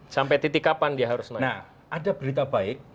sampai titik kapan dia harus naik